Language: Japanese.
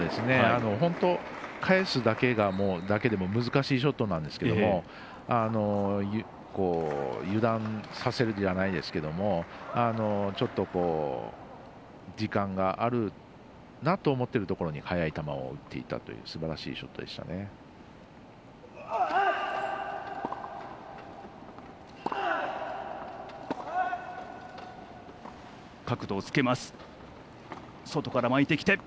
本当、返すだけ難しいショットなんですけど油断させるじゃないですけど時間があるなと思っているなというところに速い球を打っていたというすばらしいショットでした。